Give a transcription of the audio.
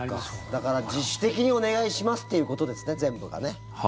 だから自主的にお願いしますということですね、全部がね。